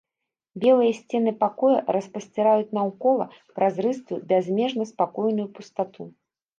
Белыя сцены пакоя распасціраюць наўкола празрыстую, бязмежна спакойную пустату.